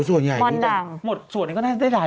อื้อฮะอุ้ยพ่อนด่างอุ้ยส่วนใหญ่นิดหน่อย